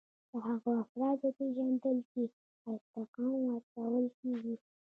د هغو افرادو پیژندل چې ارتقا ورکول کیږي.